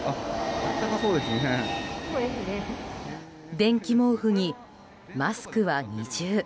電気毛布にマスクは二重。